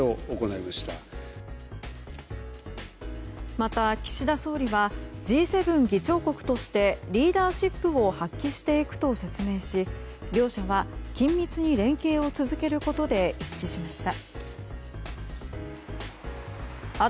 また、岸田総理はＧ７議長国としてリーダーシップを発揮していくと説明し両者は緊密に連携を続けることで一致しました。